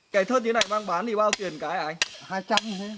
cây thớt như thế này mang bán thì bao tiền cái ạ anh